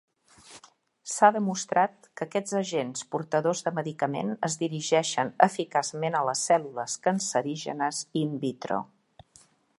S'ha demostrat que aquests agents portadors de medicament es dirigeixen eficaçment a les cèl·lules cancerígenes "in vitro".